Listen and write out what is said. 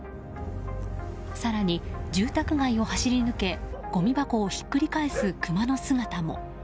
更に、住宅街を走り抜けごみ箱をひっくり返すクマの姿も。